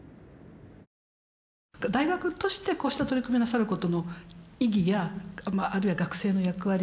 大学としてこうした取り組みをなさることの意義やまああるいは学生の役割